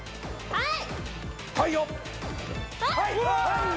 はい！